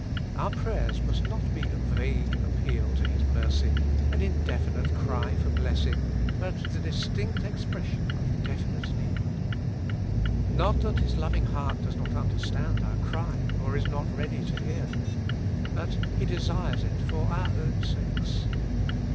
Our prayers must not be a vague appeal to His mercy, an in definite cry for blessing, but the distinct expression of definite need. Not that His loving heart does not understand our cry, or is not ready to hear. But He desires it for our own sakes.